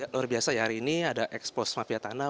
luar biasa ya hari ini ada ekspos mafia tanah